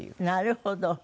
なるほど。